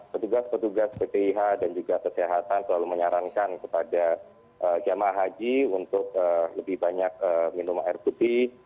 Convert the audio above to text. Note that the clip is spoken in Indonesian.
ketugas ketugas pt ih dan juga kesehatan selalu menyarankan kepada jemaah haji untuk lebih banyak minum air putih